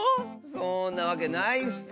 そんなわけないッス！